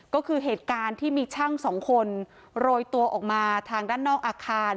ก็คือเหตุการณ์ที่มีช่างสองคนโรยตัวออกมาทางด้านนอกอาคาร